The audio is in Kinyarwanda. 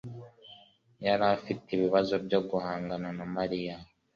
yari afite ibibazo byo guhangana na Mariya